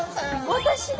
私だ！